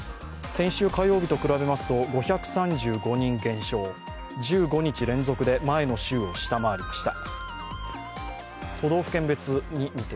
先週火曜日と比べますと５３５人減少、１５日連続で前の週を下回りました。